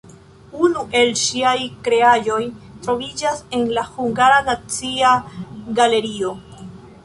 Unu el ŝiaj kreaĵoj troviĝas en la Hungara Nacia Galerio.